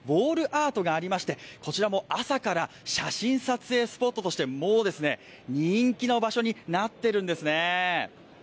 アートがありまして、こちらも朝から写真撮影スポットとしてもうですね、人気の場所になってるんですね。